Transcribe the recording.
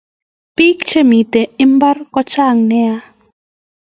Pik che miten imbar ko chang nea